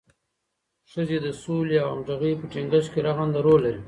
ښځې د سولې او همغږۍ په ټینګښت کې رغنده رول لري.